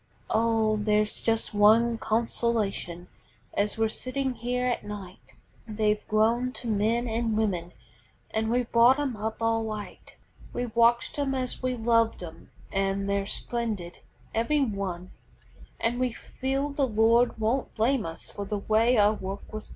Oh, there's just one consolation, as we're sittin' here at night, They've grown to men an' women, an' we brought 'em up all right; We've watched 'em as we've loved 'em an' they're splendid, every one, An' we feel the Lord won't blame us for the way our work was done.